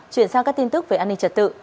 chuyển sang các tin tức về an ninh trật tự